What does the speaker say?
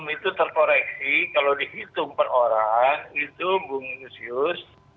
dua puluh enam itu terkoreksi kalau dihitung per orang hitung bung nusius